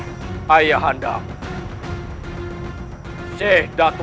iya aku lakukan pengen dan siang padaku